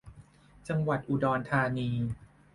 จังหวัดอุดรธานี